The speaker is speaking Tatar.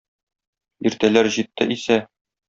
Иртәләр җитте исә...